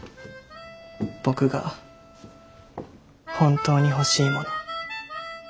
僕が本当に欲しいもの。